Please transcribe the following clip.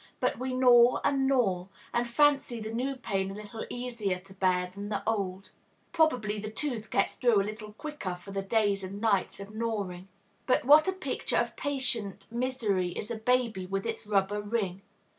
But we gnaw and gnaw, and fancy the new pain a little easier to bear than the old. Probably it is; probably the tooth gets through a little quicker for the days and nights of gnawing. But what a picture of patient misery is a baby with its rubber ring!